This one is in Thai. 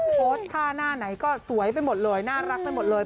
โพสต์ท่าหน้าไหนก็สวยไปหมดเลยน่ารักไปหมดเลย